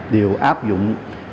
đều áp dụng